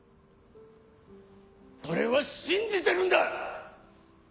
俺は信じてるんだ！